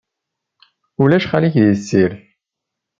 Ulac xali-k, di tessirt.